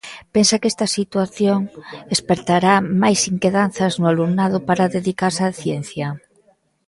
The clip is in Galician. Pensa que esta situación espertará máis inquedanzas no alumnado para dedicarse á ciencia?